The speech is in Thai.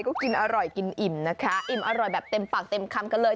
ก็กินอร่อยกินอิ่มนะคะอิ่มอร่อยแบบเต็มปากเต็มคำกันเลย